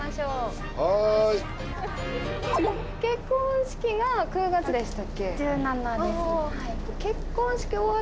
結婚式が９月でしたっけ？